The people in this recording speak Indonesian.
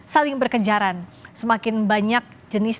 saling berkejaran semakin banyak jenis